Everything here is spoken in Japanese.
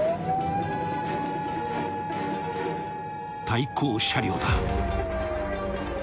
［対向車両だ］